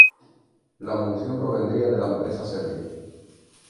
La munición provendría de la empresa serbia.